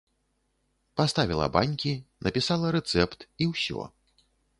Паставіла банькі, напісала рэцэпт і ўсё.